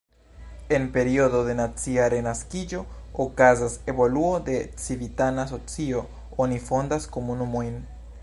En periodo de nacia renaskiĝo okazas evoluo de civitana socio, oni fondas komunumojn.